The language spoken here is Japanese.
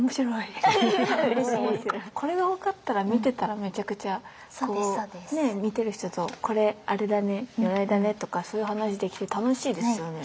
これが分かったら見てたらめちゃくちゃこうね見てる人と「これあれだね如来だね」とかそういう話できて楽しいですよね。